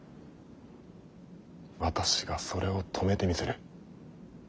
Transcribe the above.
私がそれを止めてみせる。